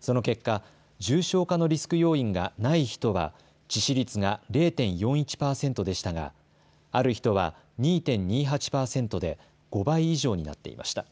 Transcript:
その結果、重症化のリスク要因がない人は致死率が０．４１％でしたがある人は２．２８％で５倍以上になっていました。